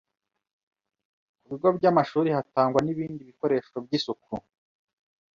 ku bigo by’amashuri hatangwa n’ibindi bikoresho by’isuku